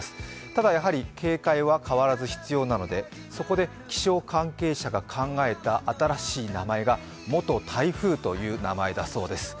ただ、やはり警戒は変わらず必要なので、そこで、気象関係者が考えた新しい名前が元台風という名前だそうです。